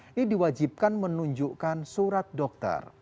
ini diwajibkan menunjukkan surat dokter